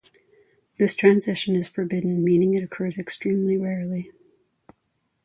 This transition is forbidden, meaning it occurs extremely rarely.